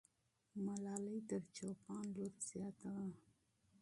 ملالۍ تر چوپان لور زیاته وه.